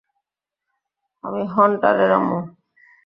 আমি হান্টারের আম্মু।